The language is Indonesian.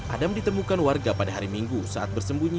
adam ditemukan warga pada hari minggu saat bersembunyi